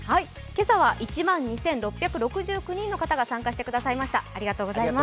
今朝は１万２６６９人の方が参加してくださいました。